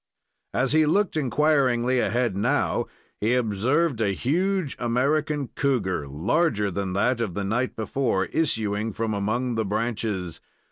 As he looked inquiringly ahead now, he observed a huge American cougar, larger than that of the night before, issuing from among the branches.